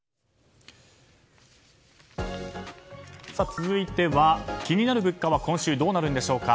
続いては気になる物価は今週、どうなるんでしょうか。